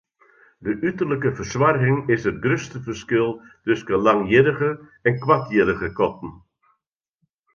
De uterlike fersoarging is it grutste ferskil tusken langhierrige en koarthierrige katten.